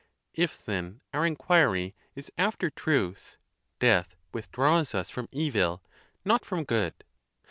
If, then, our inquiry is after truth, death withdraws us from evil, not from good.